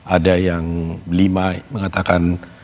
ada yang lima mengatakan